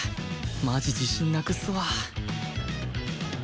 マジ自信なくすわ